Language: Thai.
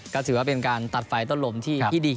ก็ถือว่าเป็นการตัดไฟต้นลมที่ดี